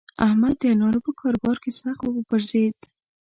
احمد د انارو په کاروبار کې سخت وپرځېد.